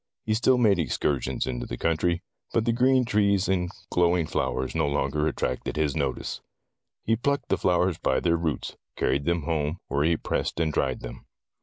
He still made excursions into the country, but the green trees and glowing flowers no longer attracted his notice. He plucked the flowers by their roots, carried them home, where he pressed and dried them.